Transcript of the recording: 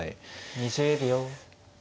２０秒。